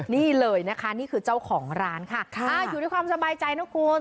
นี่เลยนะคะนี่คือเจ้าของร้านค่ะอยู่ด้วยความสบายใจนะคุณ